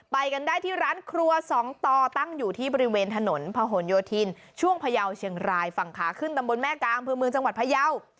ไปกันได้ที่ร้านครัวสองต่อตั้งอยู่ที่บริเวณถนนพะหนโยธินช่วงพยาวเชียงรายฝั่งขาขึ้นตำบลแม่กาอำเภอเมืองจังหวัดพยาว